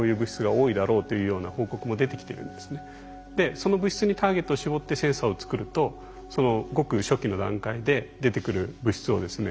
その物質にターゲットを絞ってセンサーを作るとごく初期の段階で出てくる物質をですね